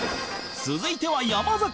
続いては山崎